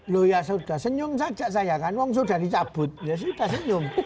loh ya sudah senyum saja saya kan wong sudah dicabut ya sudah senyum